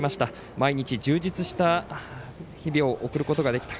毎日、充実した日々を送ることができた。